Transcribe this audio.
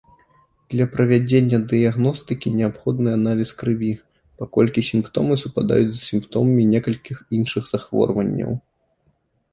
Для правядзення дыягностыкі неабходны аналіз крыві, паколькі сімптомы супадаюць з сімптомамі некалькіх іншых захворванняў.